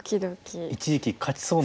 一時期勝ちそうな感じ。